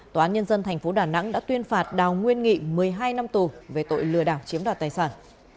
tòa án nhân dân tp đà nẵng đã tuyên phạt đào nguyên nghị một mươi hai năm tù về tội lừa đảo chiếm đoạt tài sản